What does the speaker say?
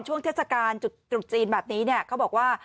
ช่วงเทศกาลจุดจีนแบบนี้เนี่ยเขาบอกว่า